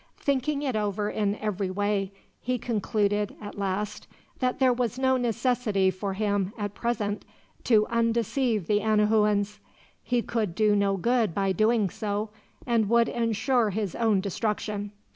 Thinking it over in every way, he concluded at last that there was no necessity for him, at present, to undeceive the Anahuans. He would do no good by doing so, and would ensure his own destruction.